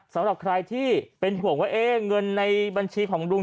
สำหรับใครที่เป็นห่วงว่าเงินในบัญชีของลุง